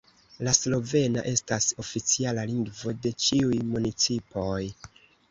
La slovena estas oficiala lingvo de ĉiuj municipoj.